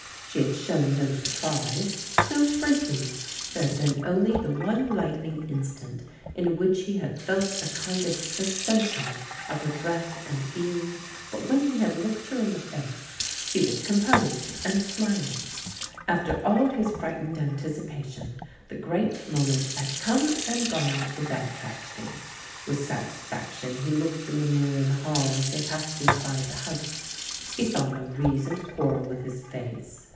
She had shown no surprise, no shrinking. There had been only the one lightning instant in which he had felt a kind of suspension of her breath and being, but when he had looked her in the face, she was com posed and smiling. After 'A\ his frightened anticipa tion, the great moment had come and gone without tragedy. With satisfaction he looked in the mirror in the hall as they passed inside the house. He saw no reason to quarrel with his face.